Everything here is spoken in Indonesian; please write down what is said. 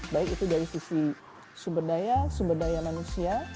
baik itu dari sisi sumber daya sumber daya manusia